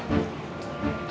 haikal nggak ikut